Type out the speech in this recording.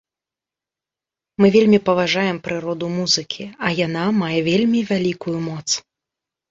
Мы вельмі паважаем прыроду музыкі, а яна мае вельмі вялікую моц.